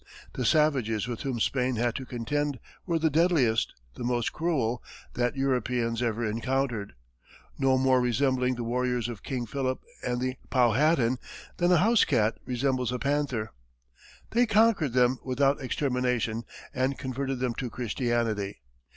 The savages with whom Spain had to contend were the deadliest, the most cruel, that Europeans ever encountered no more resembling the warriors of King Philip and the Powhatan than a house cat resembles a panther. They conquered them without extermination, and converted them to Christianity!